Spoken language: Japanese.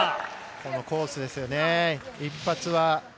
このコースですよね、一発は。